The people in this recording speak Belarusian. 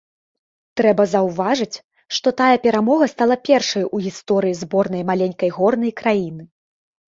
Трэба заўважыць, што тая перамога стала першай у гісторыі зборнай маленькай горнай краіны.